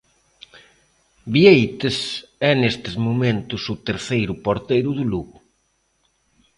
Vieites é nestes momentos o terceiro porteiro do Lugo.